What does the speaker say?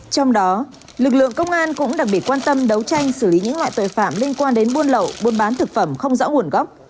trong đó lực lượng công an cũng đặc biệt quan tâm đấu tranh xử lý những loại tội phạm liên quan đến buôn lậu buôn bán thực phẩm không rõ nguồn gốc